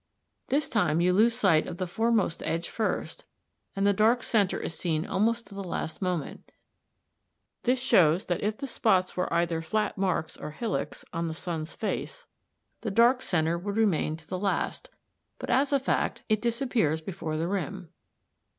This time you lose sight of the foremost edge first, and the dark centre is seen almost to the last moment. This shows that if the spots were either flat marks, or hillocks, on the sun's face, the dark centre would remain to the last, but as a fact it disappears before the rim.